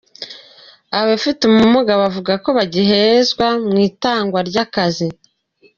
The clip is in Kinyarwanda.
Abafite ubumuga bavuga ko bagihezwa mu itangwa ry’akazi